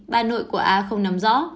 bà nội của a không nắm rõ